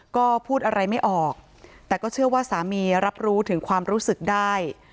ก็พูดอะไรไม่ออกแต่ก็เชื่อว่าสามีรับรู้ถึงความรู้สึกได้